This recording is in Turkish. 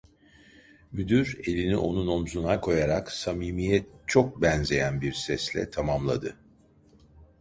Müdür elini onun omzuna koyarak, samimiye çok benzeyen bir sesle tamamladı: